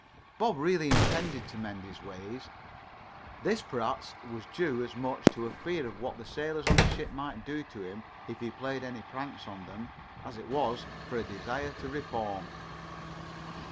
Bob really intended to mend his ways. This, perhaps, was due as much to a fear of what the sailors on the ship might do to him if he played any pranks on them as it was to a desire to reform.